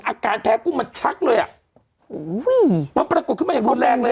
อาการแพ้กุ้งมันชักเลยอ่ะโอ้โหมันปรากฏขึ้นมาอย่างรุนแรงเลย